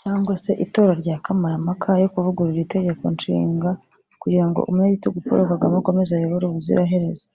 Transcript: cyangwa se itora rya Kamarampaka yo kuvugurura itegeko nshinga kugira ngo umunyagitugu Paul Kagame akomeze ayobore ubuziraherezo